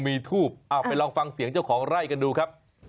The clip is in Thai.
ไม่ค่ะคนละอย่างกันค่ะคนละคนละสายพันธุ์ค่ะ